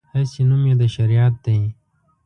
هسې نوم یې د شریعت دی.